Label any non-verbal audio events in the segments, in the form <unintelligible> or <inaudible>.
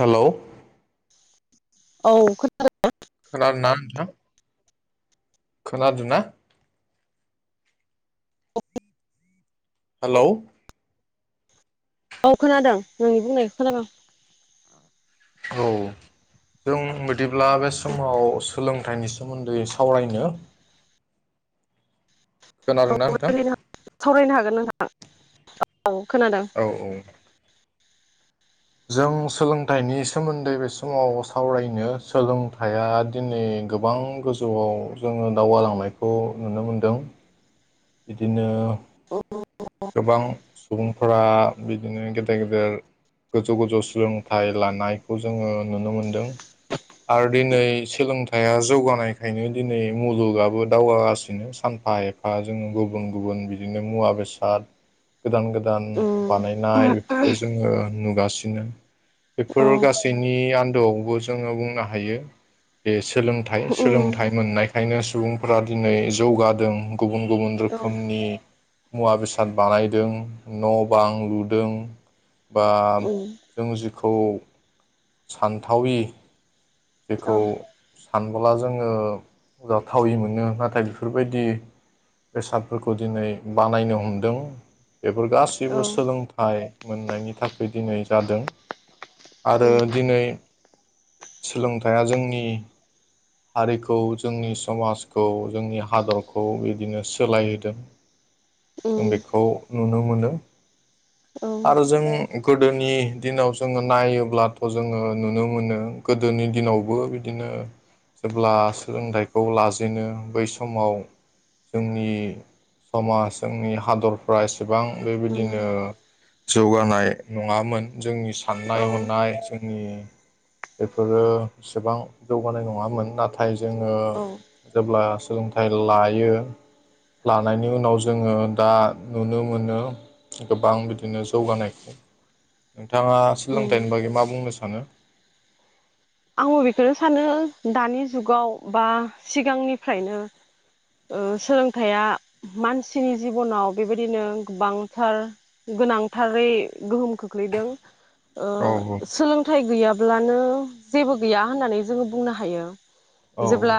Hello औ खोनादों खोनादोंना नोंथां खोनादोंना हेलौ। औ खोनादों नोंनि बुंनायखौ खोनादों। औ जों जेब्ला बे समाव स सोलोंथाइनि सोमोन्दै सावरायनो खोनादोंना नोंथां <unintelligible> सावरायनो हागोन नोंथां। <unintelligible> औ खोनादों। औ औ जों सोलोंथाइनि सोमोन्दै बे समाव सावरायनो सोलोंथाइया दिनै गोबां गोजौआव जोङो दावगालांनायखौ नुनो मोनदों। बिदिनो उम गोबां सुबुं फ्रा बिदिनो गेदेर गेदेर गोजौ गोजौ सोलोंथाइ लानायखौ जोङो नुनो मोनदों आरो दिनै सोलोंथाइया जौगानायखायनो दिनै मुलुगाबो दावगागासिनो सानफा एफा जोंङो गुबुन गुबुन बिदिनो मुवा बेसाद दाद गोदान गोदान बानायनाय बेफोरखौ जोङो नुगासिनो। बेफोर औ गासैनि आन्दोआवबो जोङो बुंनो हायो बे स सोलोंथ उम सोलोंथाइ मोननायख खायनो सुबुंफोरा दिनै जौगादों गुबुन गुबुन औ रोखोमनि मुवा बेसा द बानायदों न' बां लुदों बा उम जों जिखौ सानथावि जेखौ औ सानबोला जोङो जाथावि मोनो नाथाय बेफोरबायदि बेसादफोरखौ दिनै बानायनो हमदों। बेफोर गासैबो औ सोलोंथाइ मोननायनि थाखै दिनै जादों। आरो उम दिनै सोलोंथाइया जोंनि हारिखौ जोंनि समाजखौ जोंनि हादरखौ बिदिनो सोलायहोदों। जों उम बेखौ नुनो मोनो। औ आरो जोंनि गोदोनि दिनाव जोङो नायोब्लाथ' जोङो नुनो मोनो गोदोनि दिनावबो बिदिनो जेब्ला सोलोंथाइखौ लाजेनो बै समाव जोंनि समाज जोंनि हादरफ्रा एसे गोबां उम बेबादिनो जौगानाय नङामोन जोंनि साननाय औ हनाय जोंनि बेफोरो एसेबां जौगानाय नङामोन नाथाय जोङो औ जेब्ला सो लोंथाइ लायो लानायनि उनाव जोङो दा नुनो मोनो गोबां बिदिनो जौगानायखौ। नोथाङा उम सोलोंथाइनि बागै मा बुंनो थाङो आंबो बेखोनो सानो दानि जुगाव बा सिगांनिफ्रायनो ओ सोलोंथाइया मानसिनि जिबनाव बेबायदिनो गोबांथार गोनांथारै गोहोम खोख्लैदों ओ औ सोलोंथाइ गैया ब्लानो जेबो गैया होननानै जोङो बुंनो हायो। औ जेब्ला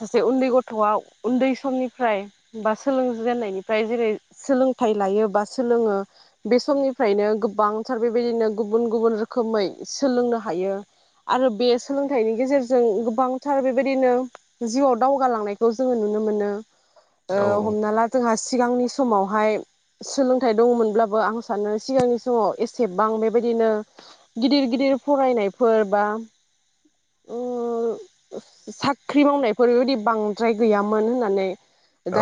सा से उन्दै गथ'आ उन्दै समनिफ्राय बा सोलोंजेननायनिफ्राय जेरै सोलोंथाइ लायो बा सोलोङो बे समनिफ्रायनो गोबांथार बेबायदिनो गुबुन गुबुन रोखोमै सोलोंनो हायो आरो बे सोलोंथाइनि गेजेरजों गोबांथार बेबायदिनो जिउआव दावगालांनायखौ जोङो नुनो मोनो ओ औ हमना ला जोंहा सिगांनि समावहाय सोलोंथाइ दङमोनब्लाबो आं सानो सिगांनि समाव एसेबां बेबायदिनो गिदिर गिदिर फरायनायफोर बा <inaudible> ओ साख्रि मावनायफोर बेबायदि बांद्राय गैयामोन होननानै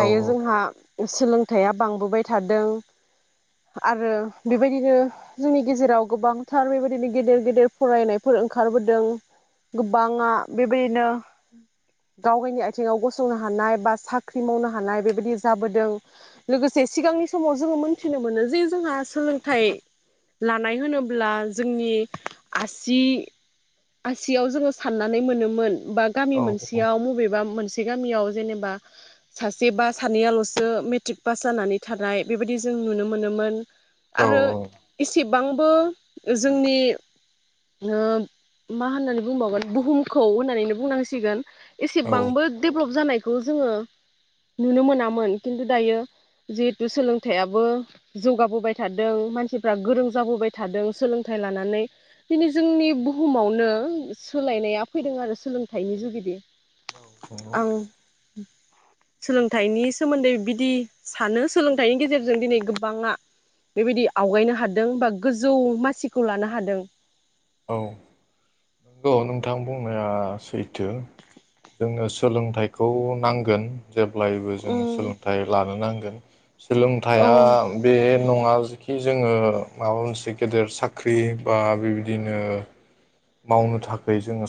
औ जोंहा सोलोंथाइया बांबोबाय थादों आरो बेबायदिनो जोंनि गेजेराव गोबांथार बेबायदिनो गेदेर गेदेर फरायनायफोर ओंखारबोदों गोबाङा बेबायदिनो गावगायनि आथिङाव गसंनो हानाय बा साख्रि मावनो हानाय बेबायदि जाबोदों लोगोसे सिगांनि समाव जोङो मोनथिनो मोनो जे जोंहा सोलोंथाइ लानाय होनोब्ला जोंनि आसि-आ सियाव जोङो साननानै मोनोमोन बा गामि औ मोनसेयाव मबेबा मोन से गामियाव जेनेबा सासे बा सानैयाल'सो मेट्रिक पास जानानै थानाय बेबायदि जों नुनो मोनोमोन औ आरो इसे सेबांबो जोंनि ओ मा होननानै बुंबावगोन बुहुमखौ होननानैनो बुंनांसिगोन औ एसेबांबो देभेलप जानाय खौ जोङो नुनो मोनामोन खिन्थु दायो जिहेथु सोलोंथाइयाबो जौगाबोबाय थादों मानसिफ्रा गोरों जाबोबाय थादों सोलोंथाइ लानानै दिनै जोंनि बुहुमावनो नों सोलायनाया फैदों आरो सोलोंथाइनि जुगिदि आं <unintelligible> सोलोंथाइनि सोमोन्दै बिदि सानो सोलोंथाइनि गेजेरजों दिनै गोबांङा बेबायदि आवगायनो हादों बा गोजौ मासिखौ लानो हादों औ नंगौ नोंथां बुंनाया सैथो जोंनो सोलोंथाइखौ नांगोन। जेब्लायबो जों उम सोलोंथाइ लानो नांगोन। औ सोलोंथाइया बे नङा जिखि जोङो माबा मोनसे गेदेर साख्रि बा बि बिदिनो मावनो थाखाय जोङो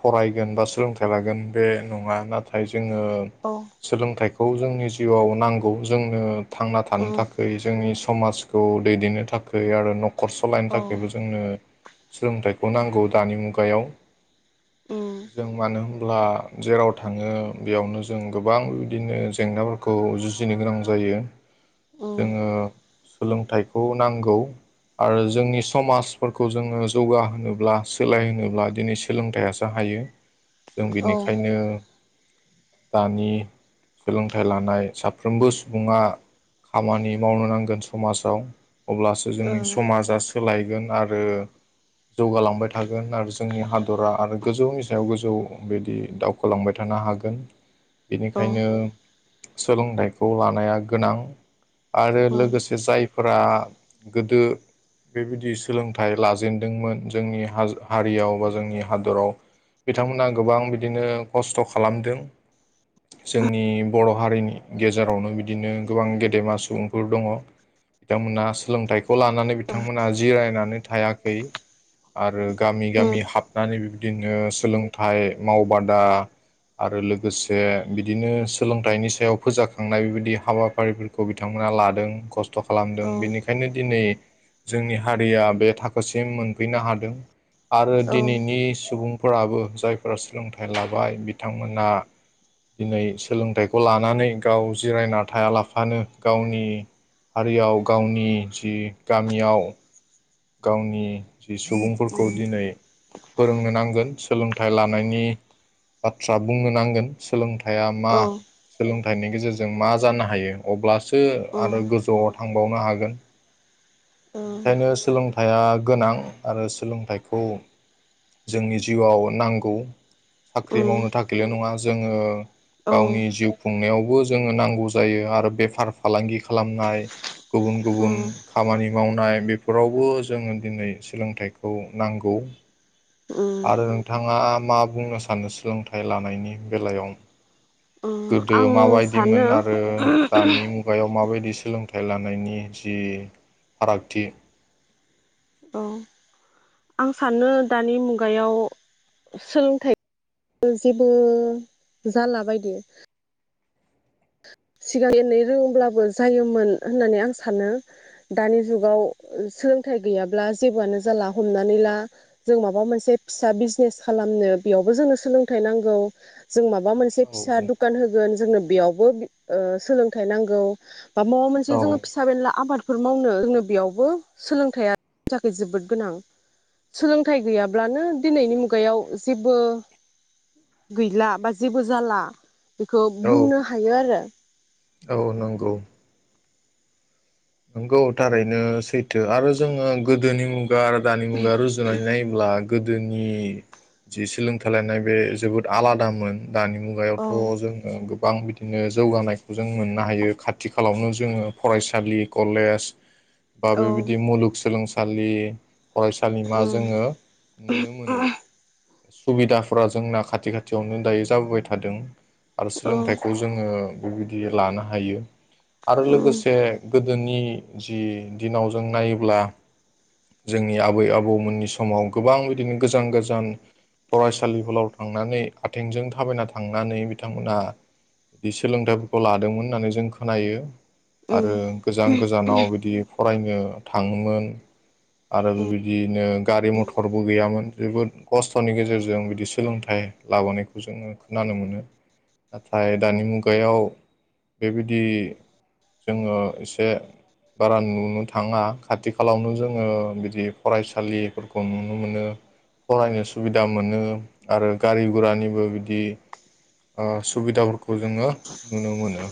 फरायगोन बा सोलोंथाइ लागोन बे नङा नाथाय जोङो औ सोलोंथाइ खौ जोंनि जिउआव नांगौ जोंनो थांना थानो उम थाखाय जोंनि समाजखौ दैदेननो थाखाय आरो नख खर सलायनो औ थाखायबो जोंनो सोलोंथाइखौ नांगौ दानि मुगायाव आं जों मानो होन अब्ला जेराव थाङो बेयावनो जों गोबां बेबायदिनो जेंनाफोरखौ जुजिनो गोनां जायो। जोङो सोलोंथाइखौ नांगौ आरो जोंनि समाजफोरखौ खौ जोङो जौगा होनोनोब्ला सोलाय होनोब्ला दिनै सोलोंथाइयासो हायो। जों बिनिखायनो दानि सोलोंथाइ लानाय साफ्रोमबो सुबुङा खामानि मावनो नांगोन समाजाव। अब्लासो जोंनि समाजासो लायगोन आर रो जौगालांबाय थागोन आरो जोंनि हादरा आरो गोजौनि सायाव गोजौ बिदि दावखोलांबाय थानो हागोन। बेनिखायनो सोलोंथाइखौ लानाया गोनां। आरो लोगोसे जाय फ्रा गोदो बेबायदि सोलोंथाइ लाजेनदोंमोन जोंनि हारियाव बा जोंनि हादराव बिथांमोना गोबां बिदिनो खस्थ' खालामदों जोंनि बर' हारिनि गेजेरावनो बिदिनो गोबां गेदेमा सुबुंफोर दङ बिथांमोना सोलोंथाइ खौ लानानै बिथांमोना जिरायनानै हायाखै आरो गामि गामि हाबनानै बि बिदिनो सोलोंथाइ मावबादा आरो लोगोसे बिदिनो सोलोंथाइनि सायाव फोजाखांनाय बेबायदि हाबाफारिफोरखौ बिथांमोना लादों खस्थ' खस्थ' खालामदों बेनिखायनो दिनै जोंनि हारिया। बे थाखोसिम मोनफैनो हादों। आरो दिनैनि सुबुं फोराबो जायफोरा सोलोंथाइ लाबाय बिथांमोना दिनै सोलोंथाइखौ लानानै गाव जिरायना थायालाफानो गावनि हारियाव गावनि जि गामियाव गावनि जि सुबुंफोरखौ दिनै फोरोंनो नांगोन सोलोंथाइ लानायनि बाथ्रा बुंनो नांगोन सोलोंथाइ हाया मा सोलों फिथायनि गेजेरजों मा जानो हायो अब्ला सो आरो गोजौ थांबावनो हागोन बेनिखायनो सोलोंथाइया गोनां आरो सोलोंथाइखौ जोंनि जिउआव नांगौ। साख्रि मावनो थाखायल' नङा। जोङो गावनि जिउ खुंनायाव बो जोङो नांगौ जायो आरो बेफार फालांगि खालामनाय गुबुन गुबुन खामानि मावनाय बे फोरावबो जोङो दिनै सोलोंथाइखौ नांगौ आरो नोंथाङा मा बुंनो सानो सोलोंथाइ लानायनि बेलायाव गोदो माबायदिमोन सानो आरो दानि मुगायाव माबायदि सोलोंथाइ लानायनि जि फारागथि औ आं सानो दानि मुगायाव सोलोंथाइ जेबो जाला बायदि सिगां एनै रोङोब्लाबो जायोमोन होननानै आं सानो दानि जुगाव सोलोंथाइ गैयाब्ला जेबोआनो जाला हमनानै ला जों माबा मोनसे फिसा बिजनेस खालामनो बेयावबो जोंनो सोलोंथाइ नांगौ जों माबा मोनसे औ फिसा दुखान होगोन जोंनो बियाव सोलोंथाइ नांगौ बा माबा मोनसे औ जोङो फिसा बेनला आबाद बे फोर मावनो जोंनो बेयावबो सोलोंथाइयानि थाखाय जोबोद गोनां सोलोंथाइ गैयाब्लानो दिनैनि मुगायाव जेबो गैला बा जेबो जाला बेखौ औ बुंनो आरो औ नंगौ नंगौ थारैनो सैथो आरो जोङो गोदोनि मु आरो दानि मुगा रुजुनानै नायोब्ला गोदोनि जि सोलोंथ लायनाय बे जोबोद आलादामोन दानि औ मुगायावथ' जोङो गोबां बिदिनो जौगानायखौ जों मोननो हायो खाथि खाालावनो जोङो फरायसालि कलेज बा औ बेबायदि मुग सोलोंसा खालि फरायसालिमा उम जोङो नुनो मोनो सुबिदाफोरा जोंना खाथि खाथियावनो दायो जाबोबाय थादों आरो औ सोलोंथाइखौ जोङो बेबायदि लानो हायो आरो उम लोगोसे गोदोनि जि दिनाव जों नायोब्ला जोंनि आबै आबौमोननि समाव गोबां बिदिनो गोजान गोजान फरायसालिफोराव थांनानै आथिंजों थाबायना थांनानै बिथांमोनहा बिदि सोलोंथाइफोरखौ लादोंमोन होननानै जों खोनायो उम आरो गोजां गोजानाव बिदि फरायनो थाङोमोन आरो उम बिबायदियनो गारि मथरबो गैयामोन जोबोद खस्थ'नि गेजेरजों बिदि सोलोंथाइ लाबोनायखौ जोङो खोनानो मोनो नाथाय दानि मुगायाव बेबायदि जोङो एसे बारा नुनो थाङा खाथि खालावनो जोङो बिदि फरायसालिफोरखौ नुनो मोनो फरायनो सुबिदा मोनो आरो गारि गुरानिबो बिदि ओ सुबिदाफोरखौ जोङो नुनो मोनो।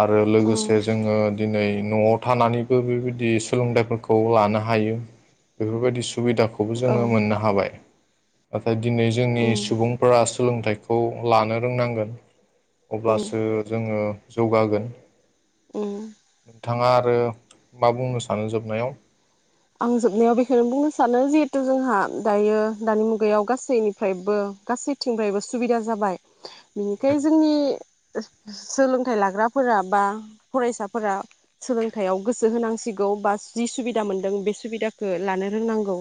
आरो लोगोसे उम जोङो दिनै न'आव थानानैबो बेबायदि सोलोंथाइफोरखौ लानो हायो बेफोरबायदि सुबिदाखौ खौबो औ जोङो उम मोननो हाबाय। नाथाय दिनै जोंनि उम सुबुंफोरा सोलोंथाइखौ लानो रोंनांगोन अब्लासो जोङो जौगागोन उम नोंथाङा आरो मा बुंनो सानो जोबनायाव आं जोबनायाव बेखौनो बुंनो सानो जिहेथु जोंहा दायो दानि मुगायाव गासैनिफ्रायबो गासैथिंफ्रायबो सुबिदा जाबाय बेनिखाय जोंनि सोलोंथाइ लाग्राफोरा बा फरायसाफोरा सोलोंथायाइयाव गोसो होनांसिगौ बा जि सुबिदा मोन ों बे सुबिदाखौ लानो रोंनांगौ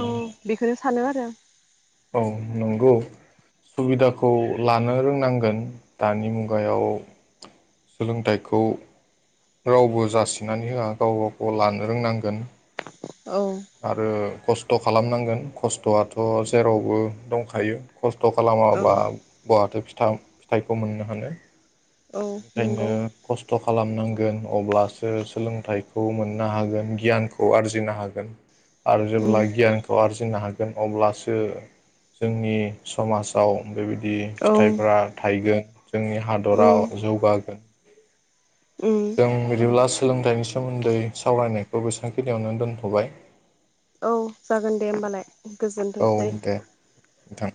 औ बेखौनो सान आरो औ औ नंगौ सुबिदाखौ लानो रोंनांगोन दानि मुगायाव सोलोंथायखौ रावबो जासिनानै होआ गावबा-गाव लानो रोंनांगोन <inaudible> आरो खायस खस्थ' खालामनांगोन खस्थ'आथ' जेरावबो दंखायो खस्थ' औ खालामाबा बहाथो फि थ फिथाइखौ मोननो हानो औ नंगौ बेनिखायनो खस्थ खालामनांगौ गोन अब्लासो सोलोंथाइखौ मोननो हागोन गियानखौ आरजिनो हागोन आरो जेब्ला उम गियानखौ आरजि जिनो हागोन अब्लासो जोंनि समाजाव बेबायदि औ फिथाइफोरा थाइगोन जोंनि उम हादराव जौगागोन उम जों बिदिब्ला सोलोंथायाइनि सोमोन्दै सावरायनायखौ बेसांखिनियावनो दोनथबाय। औ जागोन दे होमबालाय औ गोजोनथोंसै। दे नोंथां